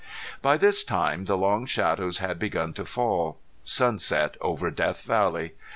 By this time the long shadows had begun to fall. Sunset over Death Valley!